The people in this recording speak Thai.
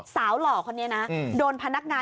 หล่อคนนี้นะโดนพนักงาน